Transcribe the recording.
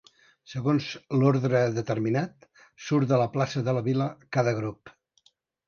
Segons l'ordre determinat surt de la plaça de la Vila cada grup.